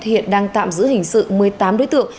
hiện đang tạm giữ hình sự một mươi tám đối tượng